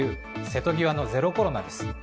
瀬戸際のゼロコロナです。